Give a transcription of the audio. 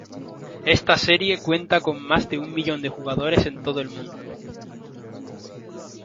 Esta serie cuenta con más de un millón de jugadores en todo el mundo.